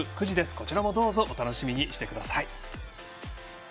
こちらも、どうぞお楽しみにしてください。